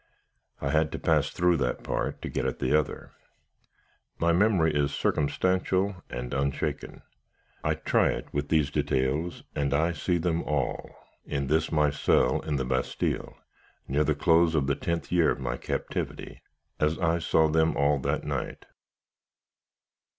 I had to pass through that part, to get at the other. My memory is circumstantial and unshaken. I try it with these details, and I see them all, in this my cell in the Bastille, near the close of the tenth year of my captivity, as I saw them all that night.